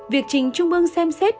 việc chỉnh trung ương xem xét